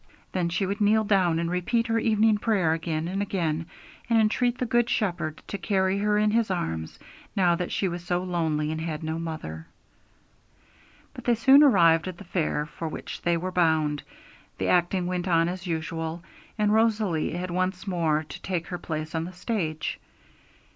Then she would kneel down and repeat her evening prayer again and again, and entreat the Good Shepherd to carry her in His arms, now that she was so lonely and had no mother. But they soon arrived at the fair for which they were bound, the acting went on as usual, and Rosalie had once more to take her place on the stage.